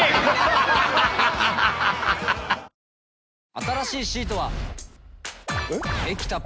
新しいシートは。えっ？